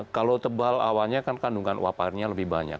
kalau tebal awannya kan kandungan waparnya lebih banyak